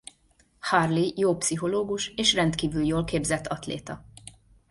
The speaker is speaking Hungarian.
Harley jó pszichológus és rendkívül jól képzett atléta.